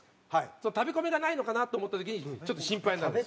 その食べ込みがないのかなって思った時にちょっと心配になるんですよ。